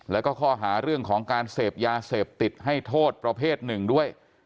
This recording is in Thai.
แล้วก็ข้อหาเรื่องของการเสพยาเสพติดให้โทษประเภทหนึ่งด้วย